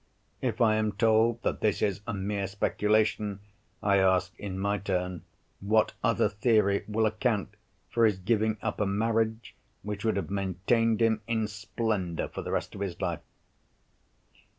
If I am told that this is a mere speculation, I ask, in my turn, what other theory will account for his giving up a marriage which would have maintained him in splendour for the rest of his life?